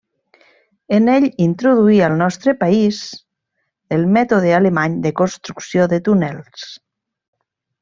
En ell introduí al nostre país el mètode alemany de construcció de túnels.